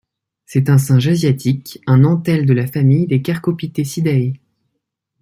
C’est un singe asiatique, un entelle de la famille des Cercopithecidae.